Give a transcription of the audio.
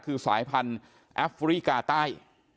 คือสายพันธุ์แอฟริกาใต้